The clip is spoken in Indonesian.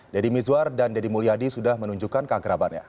deddy mizwar dan deddy mulyadi sudah menunjukkan keakrabannya